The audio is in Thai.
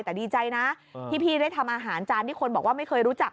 แต่ดีใจนะที่พี่ได้ทำอาหารจานที่คนบอกว่าไม่เคยรู้จัก